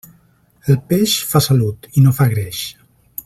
El peix fa salut i no fa greix.